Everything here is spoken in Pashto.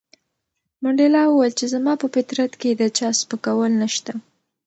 منډېلا وویل چې زما په فطرت کې د چا سپکول نشته.